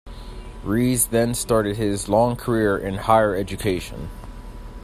Rees then started his long career in Higher Education.